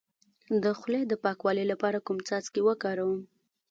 د خولې د پاکوالي لپاره کوم څاڅکي وکاروم؟